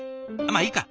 まあいいか。